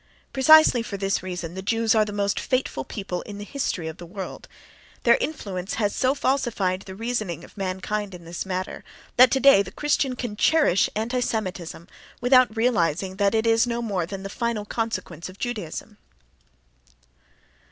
Precisely for this reason the Jews are the most fateful people in the history of the world: their influence has so falsified the reasoning of mankind in this matter that today the Christian can cherish anti Semitism without realizing that it is no more than the final consequence of Judaism.